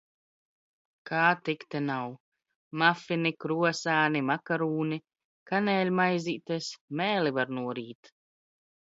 K? tik te nav - mafini, kruas?ni, makar?ni, kan??maiz?tes! M?li var nor?t!